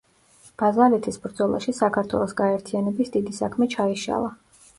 ბაზალეთის ბრძოლაში საქართველოს გაერთიანების დიდი საქმე ჩაიშალა.